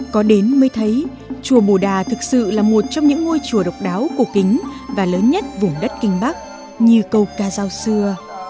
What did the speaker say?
có đến mới thấy chùa bù đà thực sự là một trong những ngôi chùa độc đáo cổ kính và lớn nhất vùng đất kinh bắc như câu ca giao xưa